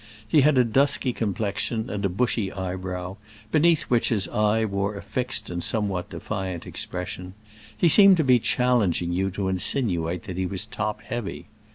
He had a dusky complexion and a bushy eyebrow, beneath which his eye wore a fixed and somewhat defiant expression; he seemed to be challenging you to insinuate that he was top heavy.